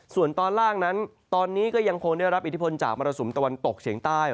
ส่วนตอนล่างนั้นตอนนี้ก็ยังคงได้รับอิทธิพลจากมรสุมตะวันตกเฉียงใต้